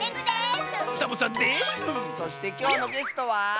そしてきょうのゲストは。